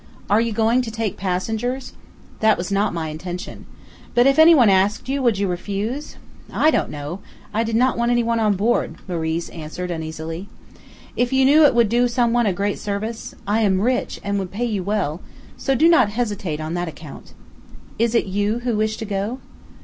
"Are you going to take passengers?" "That was not my intention." "But if any one asked you, would you refuse?" "I don't know. I did not want any one on board," Moriz answered uneasily. "If you knew it would do some one a great service? I am rich, and would pay you well; so do not hesitate on that account." "Is it you who wish to go?"